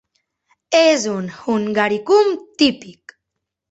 És un Hungarikum típic.